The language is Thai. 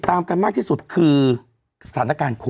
ตามกันมากที่สุดคือสถานการณ์โควิด